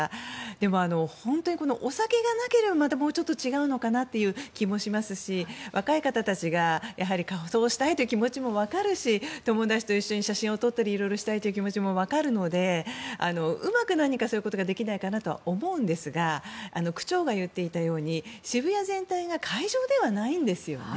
でも、本当にお酒がなければまたもうちょっと違うのかなという気もしますし若い方たちが仮装したいという気持ちもわかるし友達と一緒に写真を撮ったり色々したいという気持ちもわかるのでうまく何かそういうことができないのかなと思うんですが区長が言っていたように渋谷全体が会場ではないんですよね。